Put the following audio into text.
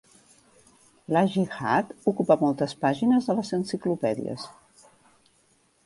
La gihad ocupa moltes pàgines de les enciclopèdies.